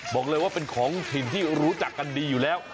บอกเลยว่าเป็นของถิ่นที่รู้จักกันดีอยู่แล้ว